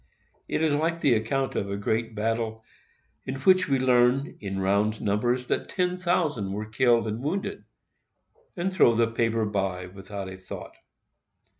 It is like the account of a great battle, in which we learn, in round numbers, that ten thousand were killed and wounded, and throw the paper by without a thought.